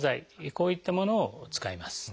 こういったものを使います。